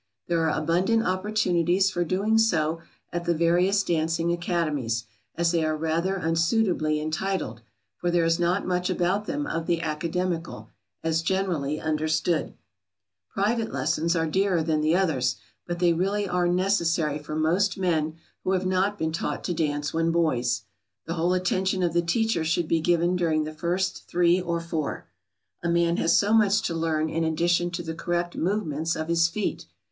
There are abundant opportunities for doing so at the various dancing "academies," as they are rather unsuitably entitled, for there is not much about them of the academical, as generally understood. [Sidenote: The value of private lessons.] Private lessons are dearer than the others, but they are really necessary for most men who have not been taught to dance when boys. The whole attention of the teacher should be given during the first three or four. A man has so much to learn in addition to the correct movements of his feet.